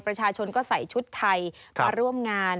ประชาชนก็ใส่ชุดไทยมาร่วมงาน